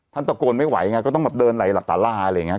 ตะโกนไม่ไหวไงก็ต้องแบบเดินไหลหลับตาราอะไรอย่างนี้